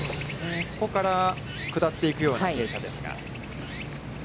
そこから下っていくような傾斜ですが。